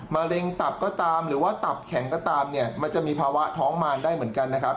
มะเร็งตับก็ตามหรือว่าตับแข็งก็ตามเนี่ยมันจะมีภาวะท้องมารได้เหมือนกันนะครับ